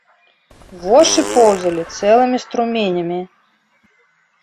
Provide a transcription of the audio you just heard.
Вошы поўзалі цэлымі струменямі!